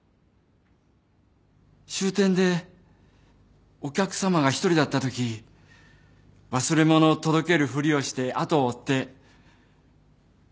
終点でお客さまが１人だったとき忘れ物を届けるふりをして後を追って薬で気を失わせました。